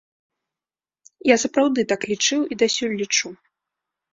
Я сапраўды так лічыў і дасюль лічу.